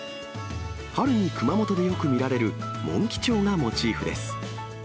春に熊本でよく見られるモンキチョウがモチーフです。